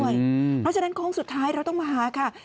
เพราะฉะนั้นโค้งสุดท้ายเราต้องมาหาค่ะ